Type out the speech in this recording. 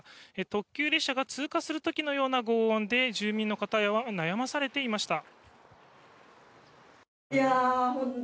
特急列車が通過する時のようなごう音で、住民の方は悩まされていました。